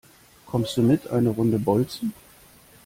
Kommst du mit eine Runde bolzen?